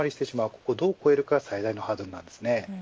これをどう越えるかが最大のハードルです。